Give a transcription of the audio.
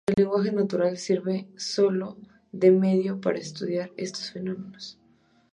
El lenguaje natural sirve solo de medio para estudiar estos fenómenos.